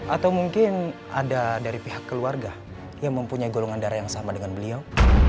atau mungkin ada dari pihak keluarga yang mempunyai golongan darah yang sama dengan beliau